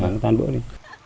nó tan bữa đi